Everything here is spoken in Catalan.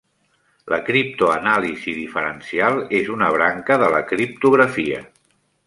La criptoanàlisi diferencial és una branca de la criptografia.